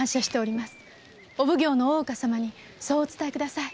お奉行の大岡様にそうお伝えください。